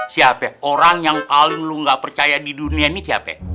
siapa orang yang paling lu nggak percaya di dunia ini siapa